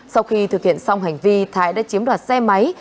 sau khi thực hiện xong hành vi thái đã chiếm đoạt xe máy